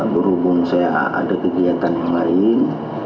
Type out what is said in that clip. berhubung saya ada kegiatan yang lain